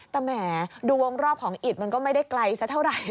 แต่แหมดูวงรอบของอิดมันก็ไม่ได้ไกลสักเท่าไหร่